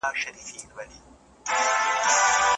استاد باید د خپلو پرېکړو په کولو کي بشپړ خپلواک وي.